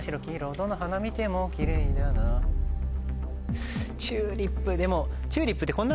どのはなみてもきれいだな『チューリップ』でも。